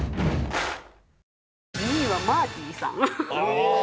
２位はマーティさん。